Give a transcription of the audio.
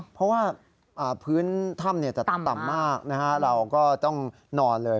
เพราะว่าพื้นถ้ำจะต่ำมากเราก็ต้องนอนเลย